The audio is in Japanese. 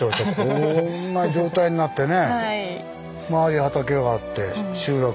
こんな状態になってね。